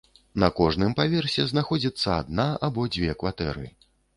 На кожным паверсе знаходзіцца адна або дзве кватэры.